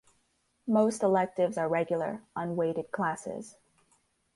Most electives are regular, unweighted classes.